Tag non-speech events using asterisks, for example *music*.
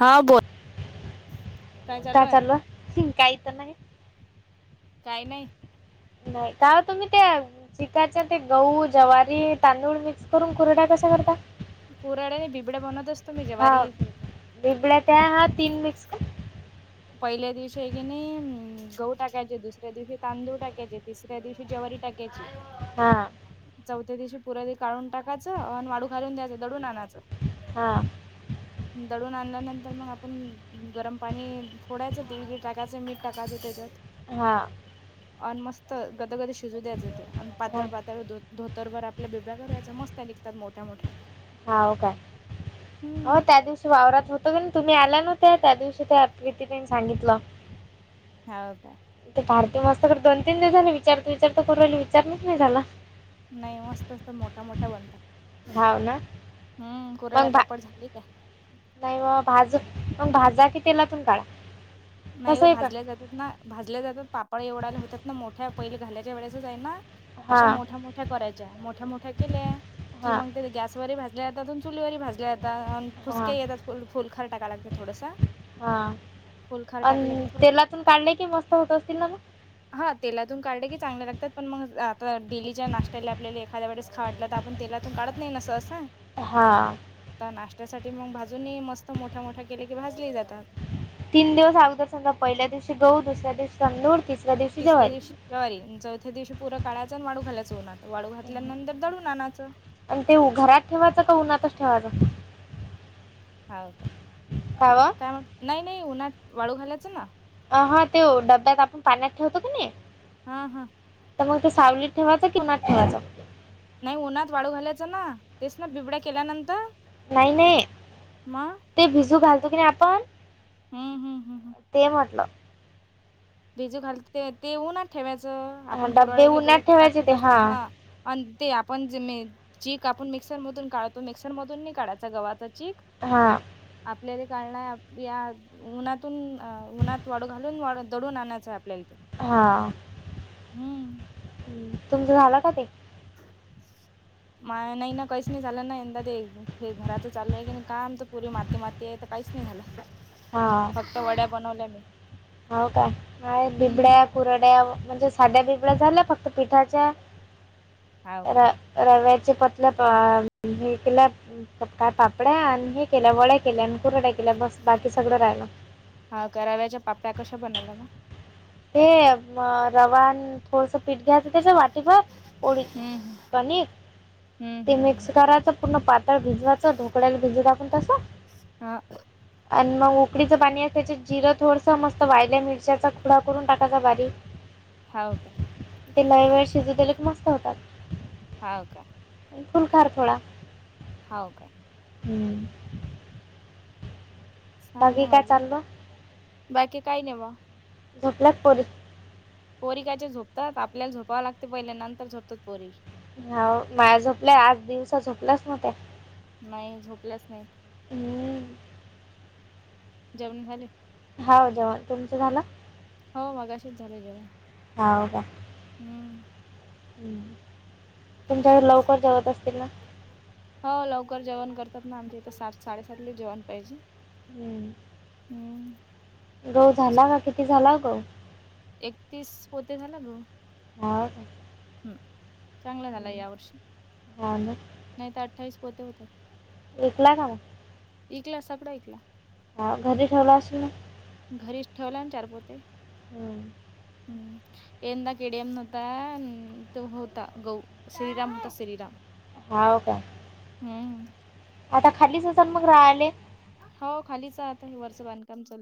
हा बोला. काय काय चालू हाय. शिकायचं नाय *unintelligible* काय नाय नाही काय ओ तुम्ही ते चिकाच्या ते गहू, ज्वारी, तांदूळ मिक्स करून कुरडया कशा करता कुराड्या आणि बिबड्या बनवत असतो मी हा जवारी त्याच्या बिबड्या त्या तीन मिक्स पहिल्या दिवशी हाय कीनय गहू टाकायचे दुसऱ्या दिवशी तांदूळ टाकायचे तिसऱ्या दिवशी जवारी टाकायची हा चौथ्या दिवशी पुराले काढून टाकायचं आणि आळू घालून द्यायचं दळून आणायचं हा दळून आणल्यानंतर मग आपण गरम पाणी थोडाचं तेल बिल टाकायं मीठ टाकायचं त्याच्यात हा आणि मस्त गदगद शिजू द्यायचं ते आणि हा पातळ पातळ धो धोतरभर आपल्या बिब्या करायच्या मस्त निघतात मोठ्या मोठ्या हावं काय हो त्या हम्म. दिवशी वावरात होतो कनय तुम्ही आल्या नव्हत्या त्या दिवशी त्या प्रीती ताईन सांगितलं हाव काय ते पार्थिव असत खरं दोन तीन दिवस झालं विचारते विचारते करूराहिले विचारणच नाही झाला नाही मस्त आस मोठ्या मोठ्या बनतात हाव ना हम कुरळ्या मग भा पापड झाली काय नाही व भाज म भाजा कि तेलातून काढाता नाही हो भाजल्या जातात ना भाजल्या जातात पापड एवढाले होतात ना मोठ्या पहिले घाल्याच्या वेळेसच आहे ना हा अशा मोठ्या मोठ्या कराय च्या मोठ्या मोठ्या केल्या कि हा मग त्या गॅसवर ही भाजल्या जातात आन चुलीवर ही भाजल्या जातान हा फुसके येतात फुल फुल खार टाकाय लागतय थोडंस हा आन थोड तेलातून काढले कि मस्त होत असतील ना ग हा तेलातून काढले की चांगल्या लागतात पण मग आता डेलीच्या नाशत्याला आपल्याले खाद्या वेळेस खाव वाटल त आपण तेलातून काढत नाही ना सहसा हा त नाशत्यासाठी मग भाजून ही मस्त मोठ्या मोठ्या केले की भाजले जातात तीन दिवस अगोदर समजा पहिल्या दिवशी गहू दुसऱ्या दिवशी तांदूळ तिसऱ्या दिवशी जवारी जवारी चौथ्या दिवशी पुरं काढायच आणि वाळु घालायचं ऊनात वाळु घातल्यानंतर दळुन आनाचं आणि ते घरात ठेवायचं का उन्हातच ठेवायचं हाव का का व काय म्हणलं. नाही नाही उन्हाट वाळू घालायचं ना अहा ते डब्यात आपण पाण्यात ठेवतो कनय हा-हा तर मग ते सावलीत ठेवायच की उन्हात ठेवायच नाही उन्हात वाळू घालायचं ना तेच ना बिबड्या केल्यानंतर नाही -नाही मग ते भिजू घालतो की नाही आपण हम- हम-हम-हम ते म्हटलं भिजू घालत ते ऊनात ठेवायचं हा आपण डब्बे कुराळला उन्हात गहू ठेवायचे टाकतो ते तसं हा अन ते आपण जे म चीक आपण मिक्सर मधून काढतो मिक्सर मधून नाही काढायचा गव्हाचा चीक हा आपल्याला गाळण आहे या उन्हातून-उन्हात वाडू घालून वाळत दडून आणायचं आहे आपल्याला ते हा हम्म तुमचं झालं का ते ह माझ नाही ना काहीच नाही झालं ना यंदा ते हे घराचं चालू आहे की काम तर पुरी माती-माती आहे तर काहीच नाही झालं हा फक्त वड्या बनवल्या मी हो का काय बिबड्या कुराड्या म्हणजे साध्या बिबड्या झाल्या फक्त पिठाच्या हाव काय रव्याचे पतल्या *unintelligible* काय पापड्या आणि हे केल्या वड्या केल्या आणि कुरड्या केल्या बस बाकी सगळं राहिलं हा का रव्याच्या पापड्या कशा बनवल्या मग हे रवा अन थोडस पीठ घ्यायचं त्याच वाटीभर पोळी हम्म कनिक हम्म ते हम्म मिक्स कराच पूर्ण पातळ भिजवायचं ढोकळ्याला भिजवतो आपण तसं हा आणि मग उकडीचं पाणी आहे त्याच्यात जिरं थोडसं मस्त वाळल्या मिरच्याच चुरा करून टाकायचा बारीक हाव का ते लई वेळ शिजु दीले की मस्त होतात हाव का फुलकार थोडा हाव काय हम्म सांग बाकी मग काय अजून चाललं बाकी काय नाही बगा झोपल्यात पोरी पोरी कायच्या झोपतात आपल्याला झोपावं लागते पहिले नंतर झोपतात पोरी हाव माया झोपल्या आज दिवसा झोपल्याच नव्हत्या नाही झोपल्याच नाहीत हम्म. जेवण झाले हाव जेवाण तुमच झाल हो मगाशीच झालय जेवण हाव का हम तुमच्या कडे लवकर जेवत असतील ना हो लवकर जेवण करतात ना. आमच्या इथं सात साडेसातले जेवण पाहिजे. हम्म. हम्म. गहू झाला का? किती झाला गहू? एकतीस पोते झाला गहू. हाव का? हम्म चांगला झाला हम्म. यावर्षी. हाव ना नाही त अठ्ठावीस पोते होत होता. विकला का म? ईकला सगळा इकला. हा घरी ठेवला असेल ना? घरीच ठेवला ना चार पोते. हम्म. हम्म. यंदा केडेयम नव्हता. तो होता. गहु. श्रीराम होता श्रीराम. हाव का? हम्म. आता खालीच असेल मग राहिले? हो खालीच राहते. वरच बांधकाम चालू.